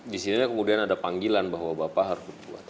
di sini kemudian ada panggilan bahwa bapak harus berbuat